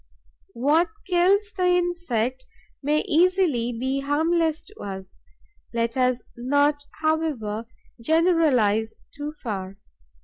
What kills the insect may easily be harmless to us. Let us not, however, generalize too far.